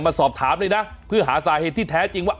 มาสอบถามเลยนะเพื่อหาสาเหตุที่แท้จริงว่า